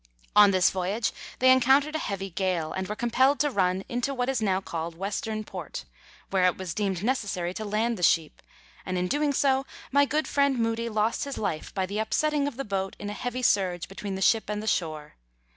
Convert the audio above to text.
On this voyage they encountered a heavy gale, aud were compelled to run into what is now called Western Port, where it was deemed necessary to land the sheep, and in doing so my good friend Mudie lost his life by the upsetting of the boat in a heavy surge between the ship and the shore.